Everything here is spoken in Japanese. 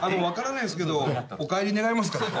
分からないんですけどお帰り願えますか？